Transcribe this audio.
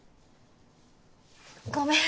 ごめん。